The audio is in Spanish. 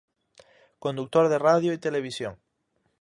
Conductor de radio y televisión.